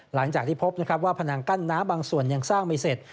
หลังจากที่พบนะครับว่าพนังกั้นน้ำบางส่วนยังสร้างไม่เสร็จ